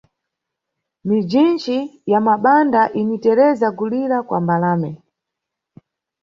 Mijinchi ya mabanda initereza kulira kwa mbalame!